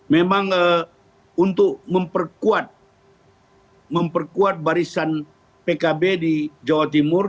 memang untuk memperkuat memperkuat barisan pkb di jawa timur